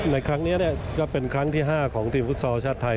ในครั้งนี้ก็เป็นครั้งที่๕ของทีมฟุตซอลชาติไทย